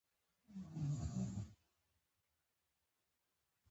خو دا ځل به په څو هېوادونو کې ډېر پاتې کېږم.